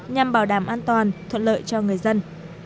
nhằm bảo đảm an toàn thuận lợi cho người dân